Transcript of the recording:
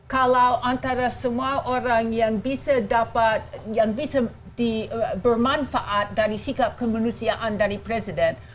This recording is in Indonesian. kalau antara semua orang yang bisa bermanfaat dari sikap kemanusiaan dari presiden